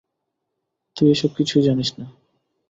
তুই এসব কিছুই জানিস না।